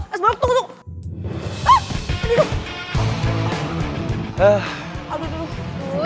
isbalok isbalok tunggu tunggu